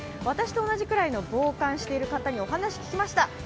私と同じぐらいの防寒している方に聞きました。